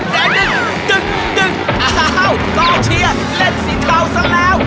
แดงนึงนึงนึงเอ้าโก้เชียเล่นสีเท่าซักแล้ว